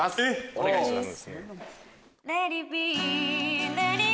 お願いします。